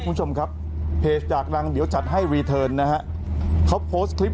คุณชมครับเพจจากรังเดี๋ยวจัดให้นะฮะเขาคลิป